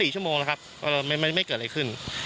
๓๔ชั่วโมงเนอะนะครับไม่เกิดอะไรขึ้น